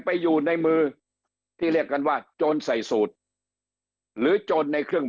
ไปอยู่ในมือที่เรียกกันว่าโจรใส่สูตรหรือโจรในเครื่อง